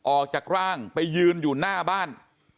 ออกจากร่างไปยืนอยู่หน้าบ้าน